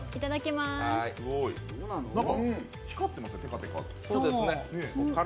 光ってますね、テカテカ。